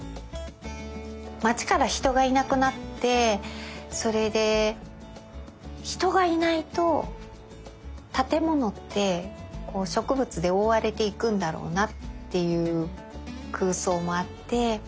街から人がいなくなってそれで人がいないと建物って植物でおおわれていくんだろうなっていう空想もあって。